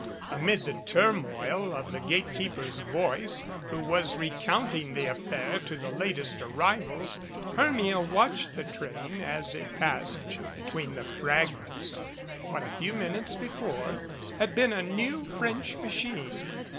Amid the turmoil of the gate keeper's voice who was recounting the affair to the latest arrivals Hermia watched the train as it passed between the fragments of what a few minutes before had been a new French machine.